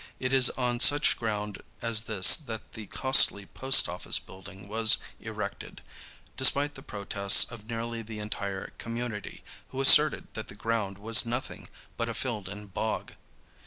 It is on such ground as this that the costly Post Office building was erected, despite the protests of nearly the entire community, who asserted that the ground was nothing but a filled in bog.